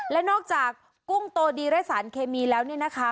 และนอกจากกุ้งโตดีและสารเคมีแล้วเนี่ยนะคะ